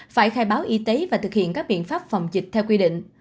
phải khai báo y tế và thực hiện các biện pháp phòng dịch theo quy định